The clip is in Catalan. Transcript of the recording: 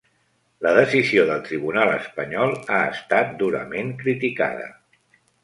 La decisió del tribunal espanyol ha estat durament criticada.